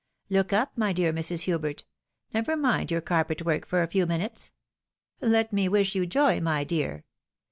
Look up, my dear Mrs. Hubert !— never mind your carpet work for a few minutes. Let me wish you joy, my dear.